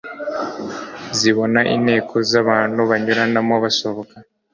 zibona inteko z'abantu banyuranamo basohoka